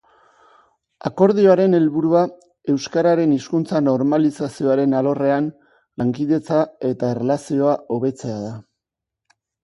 Akordioaren helburua euskararen hizkuntza-normalizazioaren alorrean lankidetza eta erlazioa hobetzea da.